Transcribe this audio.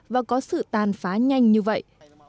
và có sự tàn phá nhanh như vậy